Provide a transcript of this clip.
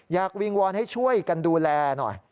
วิงวอนให้ช่วยกันดูแลหน่อย